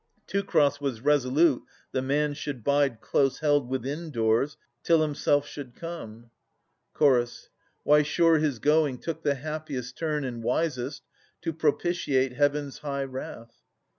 Teucer was resolute the man should bide Close held within doors till himself should come. Ch. Why, sure his going took the happiest turn And wisest, to propitiate Heaven's high wrath.